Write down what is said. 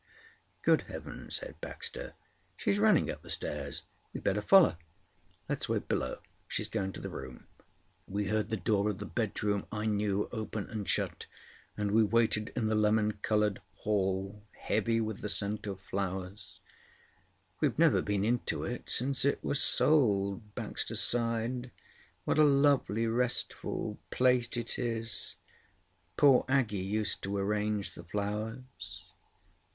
"Good heavens!" said Baxter. "She's running up the stairs. We'd better follow." "Let's wait below. She's going to the room." We heard the door of the bedroom I knew open and shut, and we waited in the lemon coloured hall, heavy with the scent of flowers. "I've never been into it since it was sold," Baxter sighed. "What a lovely, restful plate it is! Poor Aggie used to arrange the flowers."